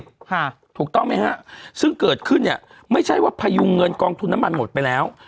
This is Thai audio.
ค่ะถูกต้องไหมฮะซึ่งเกิดขึ้นเนี้ยไม่ใช่ว่าพยุงเงินกองทุนน้ำมันหมดไปแล้ว